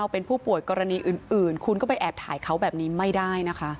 เป็นผู้ป่วยกรณีอื่นคุณก็ไปแอบถ่ายเขาแบบนี้ไม่ได้นะคะ